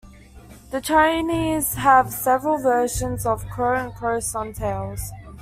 The Chinese have several versions of crow and crow-Sun tales.